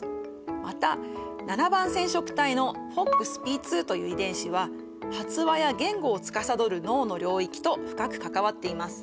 また７番染色体のＦＯＸＰ２という遺伝子は発話や言語をつかさどる脳の領域と深く関わっています。